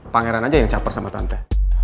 pangeran aja yang caper sama tante